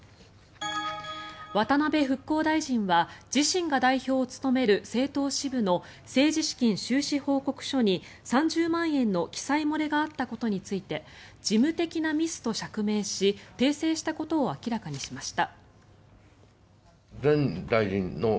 渡辺復興大臣は自身が代表を務める政党支部の政治資金収支報告書に３０万円の記載漏れがあったことについて事務的なミスと釈明し訂正したことを明らかにしました。